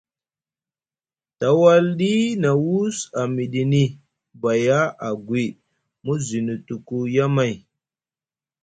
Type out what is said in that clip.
Tawaldi na wus a miɗini Baya agwi, mu zinutuku yamay.